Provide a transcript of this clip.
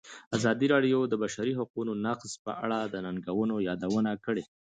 ازادي راډیو د د بشري حقونو نقض په اړه د ننګونو یادونه کړې.